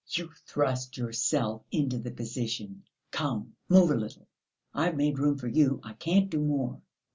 "You thrust yourself into the position. Come, move a little! I've made room for you, I can't do more!"